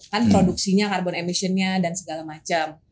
kan produksinya emisi karbonnya dan segala macam